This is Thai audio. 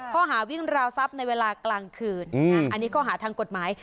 ข้อหาวิ่งราวทรัพย์ในเวลากลางคืนอันนี้ข้อหาทางกฎหมาย